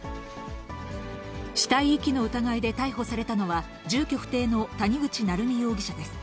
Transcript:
死体遺棄の疑いで逮捕されたのは、住居不定の谷口成美容疑者です。